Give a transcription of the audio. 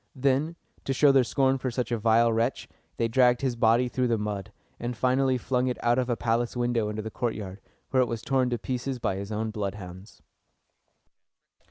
Then, to show their scorn for such a vile wretch, they dragged his body through the mud, and finally flung it out of a palace window into the courtyard, where it was torn to pieces by his own bloodhounds.